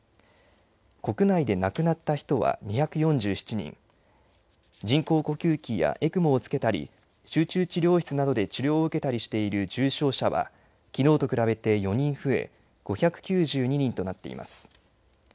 国内で亡くなった人は２４７人、人工呼吸器やＥＣＭＯをつけたり、集中治療室などで治療を受けたりしている重症者は、きのうと比べて４人増え、５９２人となっています。